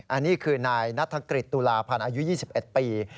อันนี้คือนายนัฐกฤษตุลาพันธ์อายุ๒๑ปี